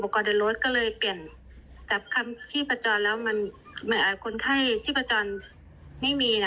ก็เลยสลับกันแล้วก็ให้น้องที่เป็นคู่พายนีท